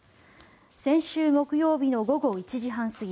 先週木曜日の午後１時半過ぎ